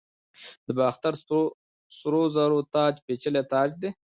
د باختر سرو زرو تاج پیچلی تاج دی